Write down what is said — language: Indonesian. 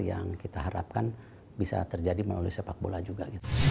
yang kita harapkan bisa terjadi melalui sepak bola juga